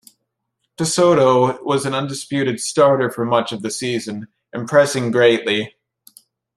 Pessotto was an undisputed starter for much of the season, impressing greatly.